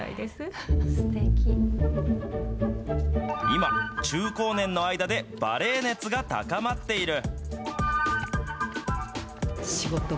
今、中高年の間でバレエ熱が高まっている。